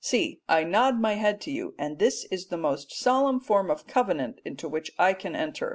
See, I nod my head to you, and this is the most solemn form of covenant into which I can enter.